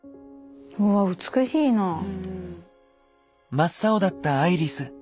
真っ青だったアイリス。